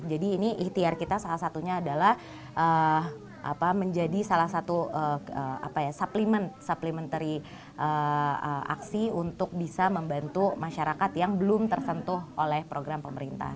jadi ini itr kita salah satunya adalah menjadi salah satu supplementary aksi untuk bisa membantu masyarakat yang belum tersentuh oleh program pemerintah